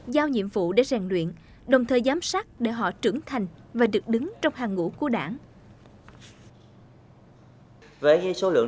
giao nhiệm vụ để rèn luyện đồng thời giám sát để họ trưởng thành và được đứng trong hàng ngũ của đảng